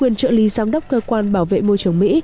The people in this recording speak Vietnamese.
quyền trợ lý giám đốc cơ quan bảo vệ môi trường mỹ